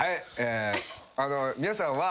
皆さんは。